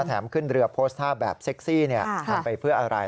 ขึ้นเรือโพสต์ท่าแบบเซ็กซี่ทำไปเพื่ออะไร